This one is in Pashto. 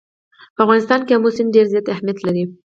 په افغانستان کې آمو سیند ډېر زیات اهمیت لري.